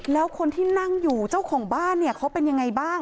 แล้วคนที่นั่งอยู่เจ้าของบ้านเนี่ยเขาเป็นยังไงบ้าง